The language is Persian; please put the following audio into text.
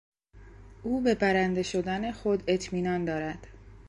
او به برنده شدن خود اطمینان دارد.